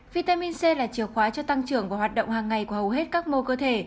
vitamin c là chiều khóa cho tăng trưởng và hoạt động hàng ngày của hầu hết các mô cơ thể